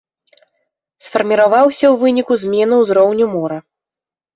Сфарміраваўся ў выніку змены ўзроўню мора.